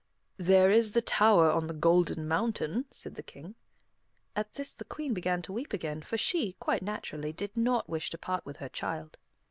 "There is the tower on the Golden Mountain," said the King. At this the Queen began to weep again, for she, quite naturally, did not wish to part with her child.